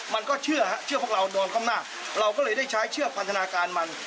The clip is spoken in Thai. มันก็เชื่อฮะเชื่อพวกเรานอนข้างหน้าเราก็เลยได้ใช้เชือกพันธนาการมัน